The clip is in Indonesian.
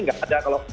enggak ada kalau